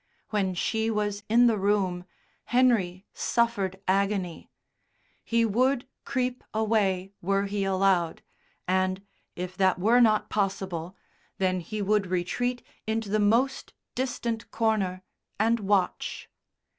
When she was in the room, Henry suffered agony. He would creep away were he allowed, and, if that were not possible, then he would retreat into the most distant corner and watch.